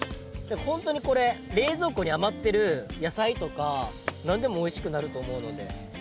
ホントにこれ冷蔵庫に余ってる野菜とかなんでも美味しくなると思うので。